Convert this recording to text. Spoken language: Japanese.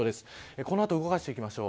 この後、動かしていきましょう。